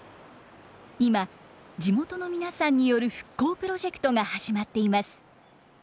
今地元の皆さんによる復興プロジェクトが始まっています。